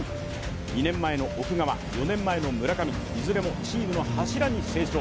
２年前の奥川、４年前の村上、いずれもチームの柱に成長。